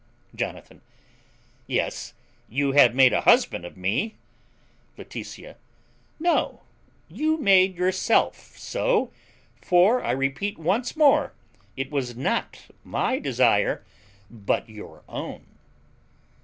Jonathan. Yes, you have made a husband of me. Laetitia. No, you made yourself so; for I repeat once more it was not my desire, but your own.